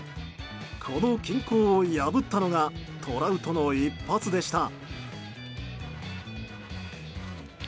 この均衡を破ったのがトラウトの一発でした。